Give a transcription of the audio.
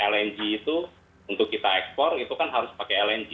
lng itu untuk kita ekspor itu kan harus pakai lng